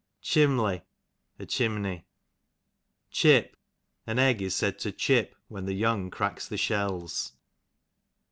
Chimley, a chimney. Chip, an egg is said to chip ivhen the young cracks the shells.